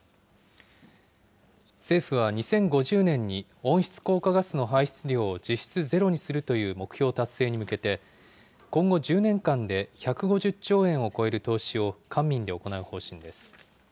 政府は２０５０年に、温室効果ガスの排出量を実質ゼロにするという目標達成に向けて、今後１０年間で１５０兆円を超える投資を官民で行う方針です。